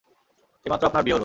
এইমাত্র আপনার বিয়ে হলো।